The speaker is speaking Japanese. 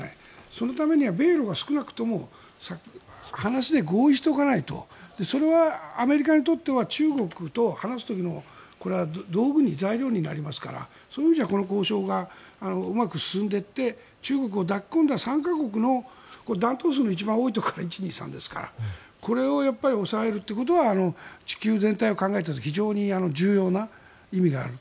そのためには米ロが少なくとも話で合意しておかないとそれはアメリカにとって中国と話す時のこれは道具に材料になりますからそういう意味ではこの交渉がうまく進んでいって中国を抱き込んだ３か国の弾頭数の一番多いところの１、２、３ですからこれを抑えることは地球全体を考えた時に非常に重要な意味がある。